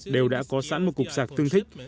đều đã có sẵn một cục sạc tương thích